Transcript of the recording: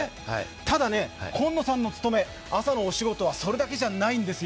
ただ今野さんの朝の勤めはそれだけではないんですよ。